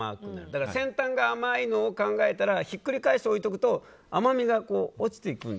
だから先端が甘いのを考えるとひっくり返して置いておくと甘みが落ちていく。